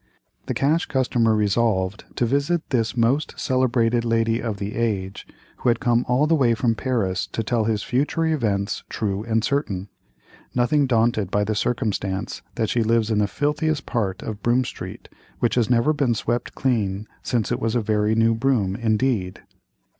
The Cash Customer resolved to visit this "most celebrated lady of the age," who had come all the way from Paris, to tell his "future events true and certain," nothing daunted by the circumstance that she lives in the filthiest part of Broome Street, which has never been swept clean since it was a very new Broome indeed.